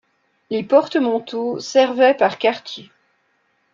Les porte-manteaux servaient par quartier.